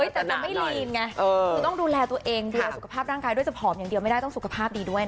แต่จะไม่ลีนไงคือต้องดูแลตัวเองดูแลสุขภาพร่างกายด้วยจะผอมอย่างเดียวไม่ได้ต้องสุขภาพดีด้วยนะคะ